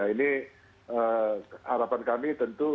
ini harapan kami tentu